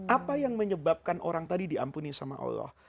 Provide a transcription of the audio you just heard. apa yang menyebabkan orang tadi diampuni sama allah